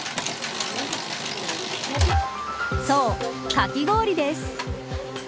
そう、かき氷です。